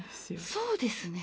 そうですね。